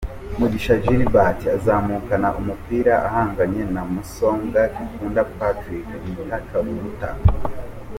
Mugisha Gilbert azamukana umupira ahanganye na Musombwa Kikunda Patrick bita Kaburuta.